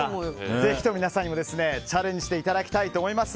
ぜひとも皆さんにもチャレンジしていただきたいです。